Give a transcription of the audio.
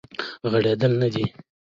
غړیدلې نه دی